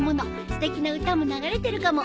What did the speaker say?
すてきな歌も流れてるかも。